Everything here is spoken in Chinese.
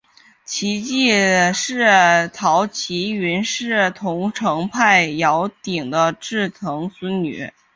其继室姚倚云是桐城派姚鼐的侄曾孙女。